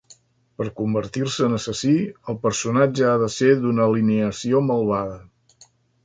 Per convertir-se en assassí, el personatge ha de ser d'una alineació malvada.